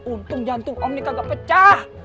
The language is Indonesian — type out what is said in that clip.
untung jantung om nih kagak pecah